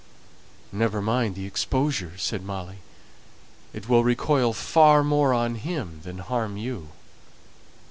"Never mind the exposure," said Molly. "It will recoil far more on him than harm you."